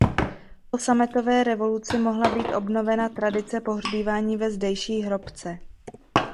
Po Sametové revoluci mohla být obnovena tradice pohřbívání ve zdejší hrobce.